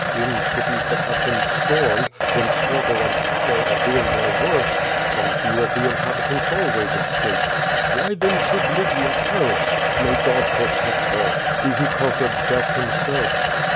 In cities that have been stormed, when slaugh ter and fire are doing their worst, some few of tlie inhabitiants always escape. Why then should Lygia perish? May God protect her — He who conquered death Himself!"